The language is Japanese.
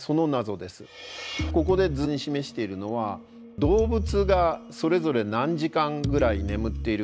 ここで図に示しているのは動物がそれぞれ何時間ぐらい眠っているか。